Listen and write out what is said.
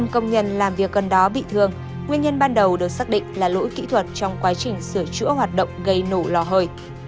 một mươi công nhân làm việc gần đó bị thương nguyên nhân ban đầu được xác định là lỗi kỹ thuật trong quá trình sửa chữa hoạt động gây nổ lò hơi